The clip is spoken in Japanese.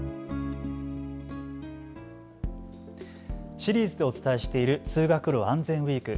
シリーズでお伝えしている通学路あんぜんウイーク。